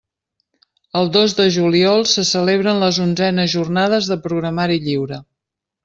El dos de juliol se celebren les onzenes Jornades de Programari Lliure.